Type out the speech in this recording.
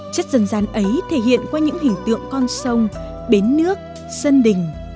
chất dân gian ấy thể hiện qua những hình tượng con sông bến nước sân đình